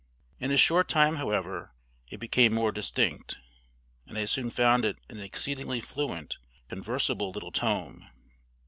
In a short time, however, it became more distinct, and I soon found it an exceedingly fluent, conversable little tome.